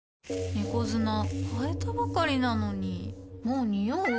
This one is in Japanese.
猫砂替えたばかりなのにもうニオう？